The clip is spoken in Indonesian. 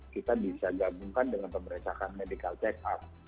kita bisa gabungkan dengan pemeriksaan medical check up